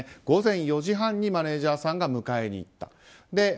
午前４時半にマネジャーさんが迎えに行った。